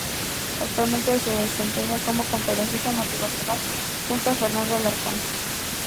Actualmente se desempeña como conferencista motivacional junto a Fernando Alarcón.